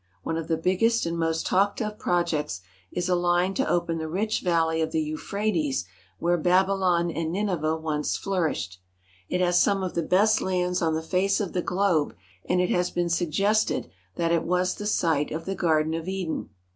One of the biggest and most talked of projects is a line to open up the rich valley of the Euphrates where Baby lon and Nineveh once flourished. It has some of the best lands on the face of the globe, and it has been sug gested that it was the site of the Garden of Eden.